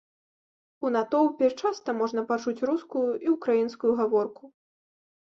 У натоўпе часта можна пачуць рускую і ўкраінскую гаворку.